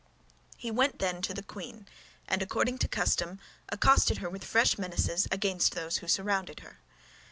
He went then to the queen, and according to custom accosted her with fresh menaces against those who surrounded her.